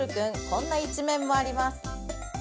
こんな一面もあります